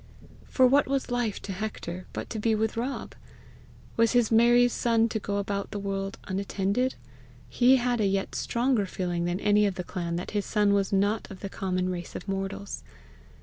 For what was life to Hector but to be with Rob! Was his Mary's son to go about the world unattended! He had a yet stronger feeling than any of the clan that his son was not of the common race of mortals.